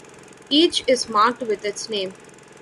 Each is marked with its name.